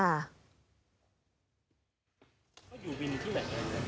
เขาอยู่วินที่ไหน